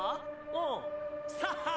うん「サッハー」！